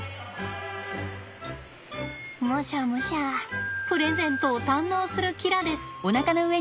むしゃむしゃプレゼントを堪能するキラです。